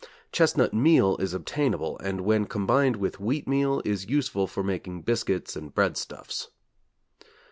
Chestnut meal is obtainable, and when combined with wheatmeal is useful for making biscuits and breadstuffs.